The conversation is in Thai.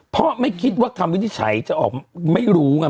เพราะไม่คิดว่าคำวินิจฉัยจะออกไม่รู้ไง